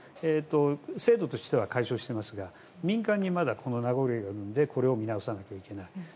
制度としては解消していますが民間にまだこの名残があるのでこれを見直さなきゃいけない。